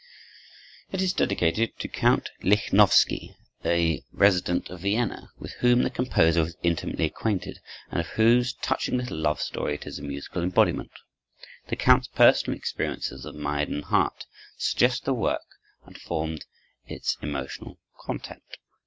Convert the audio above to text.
It is dedicated to Count Lichnowsky, a resident of Vienna, with whom the composer was intimately acquainted, and of whose touching little love story it is a musical embodiment. The Count's personal experiences of mind and heart suggested the work and formed its emotional content.